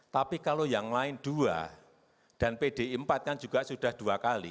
tapi kalau yang lain dua dan pdi empat kan juga sudah dua kali